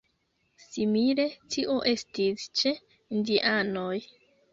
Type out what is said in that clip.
Simile tio estis ĉe indianoj.